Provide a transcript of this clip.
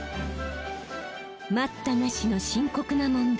待ったなしの深刻な問題